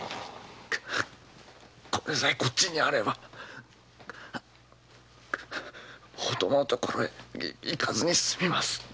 これさえこっちにあれば大友のところへ行かずにすみます！